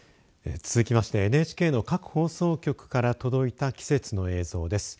続きましてＮＨＫの各放送局から届いた季節の映像です。